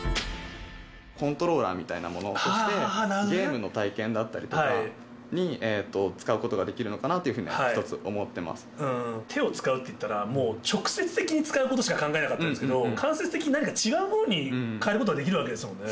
コントローラーみたいなものとして、ゲームの体験だったりとかに使うことができるのかなというふうに、手を使うっていったら、もう直接的に使うことしか考えなかったですけど、間接的に何か違うものに変えることができるわけですもんね。